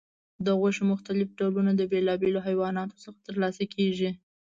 د غوښې مختلف ډولونه د بیلابیلو حیواناتو څخه ترلاسه کېږي.